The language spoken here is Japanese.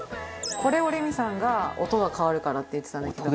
これをレミさんが音が変わるからって言ってたんだけど。